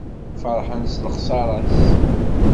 Ferḥen s lexsara-s.